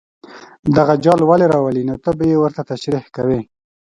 دغه جال ولې راولي نو ته به یې ورته تشریح کوې.